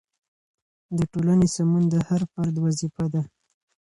د ټولنې سمون د هر فرد وظیفه ده.